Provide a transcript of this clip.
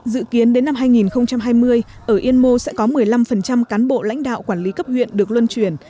dự kiến đến năm hai nghìn hai mươi ở yên mô sẽ có một mươi năm cán bộ lãnh đạo quản lý cấp huyện được luân chuyển